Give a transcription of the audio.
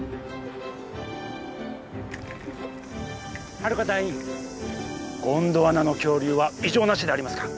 ハルカ隊員ゴンドワナの恐竜は異常なしでありますか？